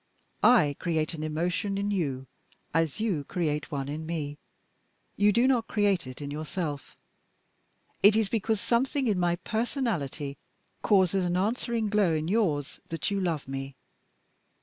I create an emotion in you, as you create one in me. You do not create it in yourself. It is because something in my personality causes an answering glow in yours that you love me.